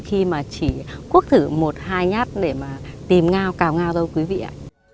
khi mà chỉ quốc thử một hai nhát để mà tìm ngao cào ngao thôi quý vị ạ